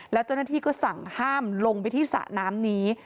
แล้วเจ้าหน้าที่ก็สั่งห้ามลงไปที่สระน้ำนี้